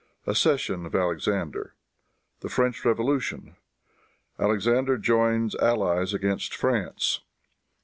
Accession of Alexander. The French Revolution. Alexander Joins Allies Against France.